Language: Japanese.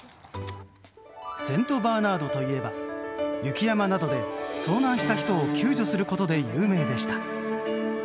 セントバーナードといえば雪山などで遭難した人を救助することで有名でした。